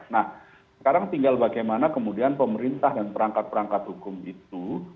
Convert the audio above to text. nah sekarang tinggal bagaimana kemudian pemerintah dan perangkat perangkat hukum itu